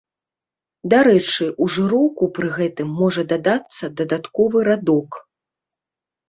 Дарэчы, у жыроўку пры гэтым можа дадацца дадатковы радок.